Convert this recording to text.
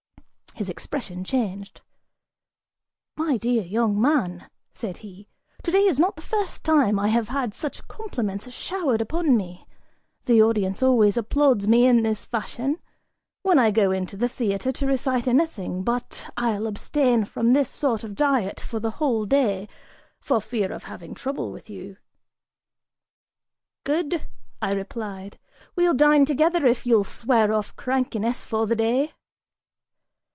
His expression changed. "My dear young man," said he, "today is not the first time I have had such compliments showered upon me; the audience always applauds me in this fashion, when I go into the theatre to recite anything, but I'll abstain from this sort of diet for the whole day, for fear of having trouble with you." "Good," I replied, "we'll dine together if you'll swear off crankiness for the day."